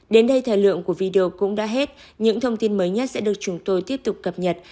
đến đây thời lượng của video cũng đã hết những thông tin mới nhất sẽ được chúng tôi tiếp tục cập nhật